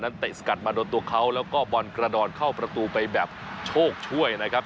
เตะสกัดมาโดนตัวเขาแล้วก็บอลกระดอนเข้าประตูไปแบบโชคช่วยนะครับ